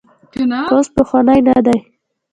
اوس پخوانی نه دی.